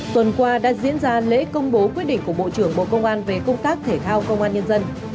tuần qua đã diễn ra lễ công bố quyết định của bộ trưởng bộ công an về công tác thể thao công an nhân dân